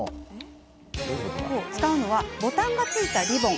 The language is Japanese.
使うのはボタンがついたリボン。